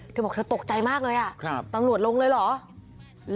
เธอบอกเธอตกใจมากเลยตำรวจลงเลยเหรอ